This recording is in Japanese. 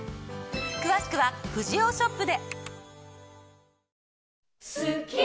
詳しくはフジオーショップで！